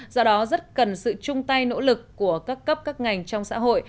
do đó rất cần sự chung tay nỗ lực của các cấp các ngành trong xã hội